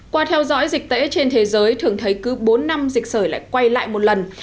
qua theo dõi dịch tễ trên thế giới thường thấy cứ bốn năm dịch sởi lại quay lại một lần